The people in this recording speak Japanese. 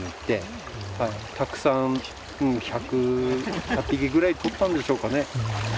たくさん１００匹ぐらい取ったんでしょうかね。